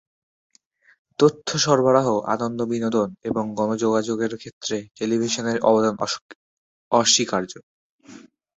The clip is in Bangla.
তথ্য সরবরাহ, আনন্দ-বিনোদন এবং গণযোগাযোগের ক্ষেত্রে টেলিভিশনের অবদান অনস্বীকার্য।